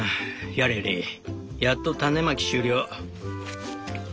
やれやれやっと種まき終了」。